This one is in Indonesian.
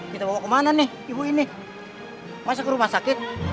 kita bawa kemana nih ibu ini masuk ke rumah sakit